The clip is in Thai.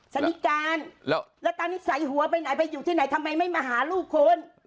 สันนิการแล้วตอนนี้ใส่หัวไปไหนไปอยู่ที่ไหนทำไมไม่มาหาลูกคน